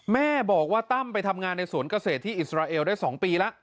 แม่บอกว่าตั้มไปทำงานในสวนเกษตรที่อิสราเอลได้๒ปีแล้ว